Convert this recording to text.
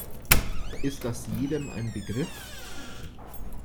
Ist das jedem ein Begriff?